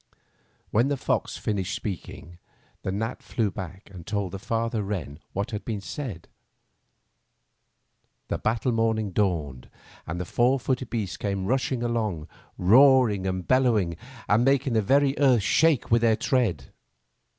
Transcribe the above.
When the fox finished speaking, the gnat fiew back and told the father wren what had been said. The battle morning dawned, and the four footed beasts came rushing along roaring and bellowing, and making the very earth shake with their tread.